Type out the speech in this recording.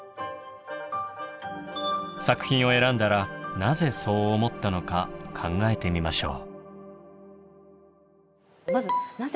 作品を選んだらなぜそう思ったのか考えてみましょう。